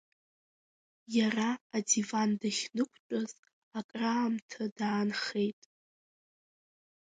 Иара адиван дахьнықәтәаз акраамҭа даанхеит.